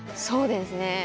そうですね